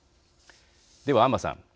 では安間さん。